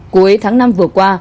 cuối tháng năm vừa qua